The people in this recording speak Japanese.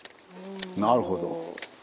なるほど。